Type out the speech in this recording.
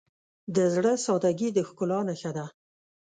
د زړه سادگی د ښکلا نښه ده.